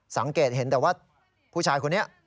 สังเกตเห็นแต่ว่าผู้ชายคนนี้